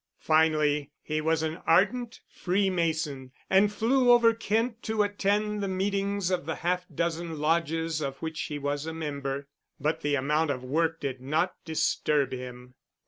Finally he was an ardent Freemason, and flew over Kent to attend the meetings of the half dozen lodges of which he was a member. But the amount of work did not disturb him.